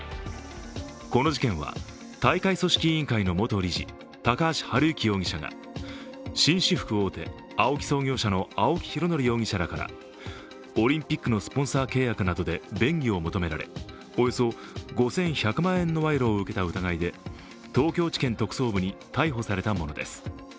この事件は大会組織委員会の元理事、高橋治之容疑者が紳士服大手・ＡＯＫＩ創業者の青木拡憲容疑者らからオリンピックのスポンサー契約などで便宜を求められおよそ５１００万円の賄賂を受けた疑いで東京地検特捜部に逮捕されたものです。